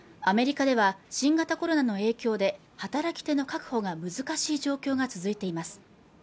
アメリカでは新型コロナの影響で働き手の確保が難しい状況が続いています